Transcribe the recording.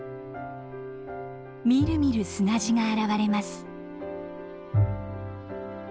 みるみる砂地が現れます。